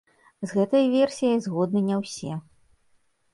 З гэтай версіяй згодны не ўсе.